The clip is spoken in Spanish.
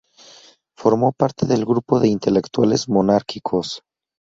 Formó parte del grupo de intelectuales monárquicos.